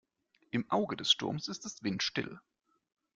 Im Auge des Sturms ist es windstill.